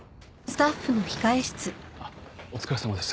あっお疲れさまです。